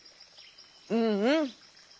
うんうん！